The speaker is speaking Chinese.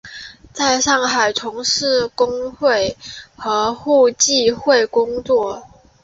在上海从事工会和互济会工作。